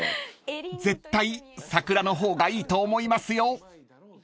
［絶対桜の方がいいと思いますよ］